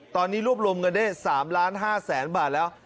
ตอนนี้รวบรวมเงินได้๓๕๐๐๐๐๐บาทแล้ว